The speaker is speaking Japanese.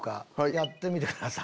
やってみてください。